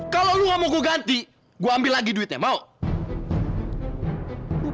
kalau lo gak mau gue ganti gue ambil lagi duitnya mau